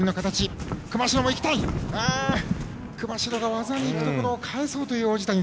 熊代が技にくるところを返そうという王子谷。